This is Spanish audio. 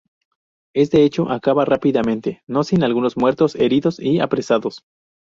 Este hecho acaba rápidamente, no sin algunos muertos, heridos y apresados.